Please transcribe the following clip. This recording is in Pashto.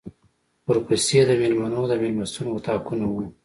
ورپسې د مېلمنو د مېلمستون اطاقونه و.